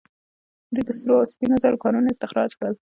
دوی د سرو او سپینو زرو کانونه استخراج کړل